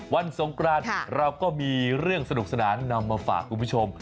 สงกรานเราก็มีเรื่องสนุกสนานนำมาฝากคุณผู้ชม